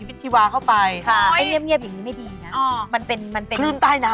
เอออะไรอย่างนี้ประมาณนั้น